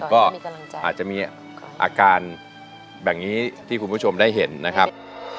ก็อาจจะมีอาการแบบนี้ที่คุณผู้ชมได้เห็นนะครับ